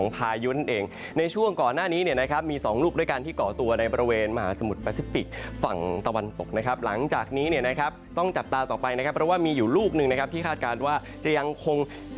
ตะวันปกนะครับหลังจากนี้นะครับต้องจับตาต่อไว้นะครับก็ว่ามีอยู่รูปนึงนะครับที่คาดการว่าจะยังคง